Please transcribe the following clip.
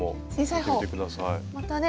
またね